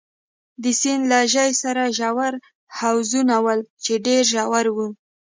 د سیند له ژۍ سره ژور حوضونه ول، چې ډېر ژور وو.